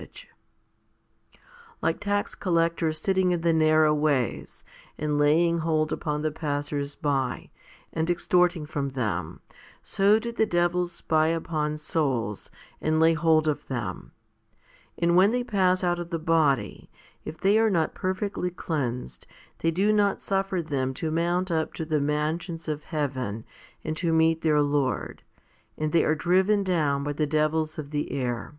274 FIFTY SPIRITUAL HOMILIES Like tax collectors sitting in the narrow ways, and laying hold upon the passers by, and extorting from them, so do the devils spy upon souls, and lay hold of them ; and when they pass out of the body, if they are not perfectly cleansed, they do not suffer them to mount up to the mansions of heaven and to meet their Lord, and they are driven down by the devils of the air.